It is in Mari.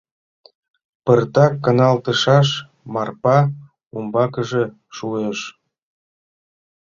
Пыртак каналтышаш Марпа умбакыже шуйыш: